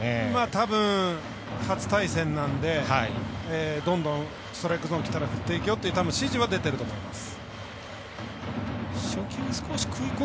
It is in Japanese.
たぶん、初対戦なんでどんどんストライクゾーンきたら振っていけという指示は出ていると思います。